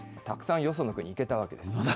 たくさんよその国に行けたわけです。